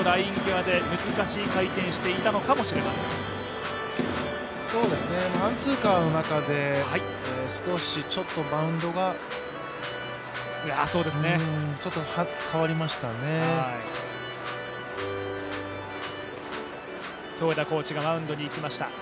アンツーカーの中で少しバウンドが変わりましたね。